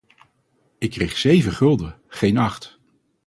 Ik kreeg zeven gulden, geen acht.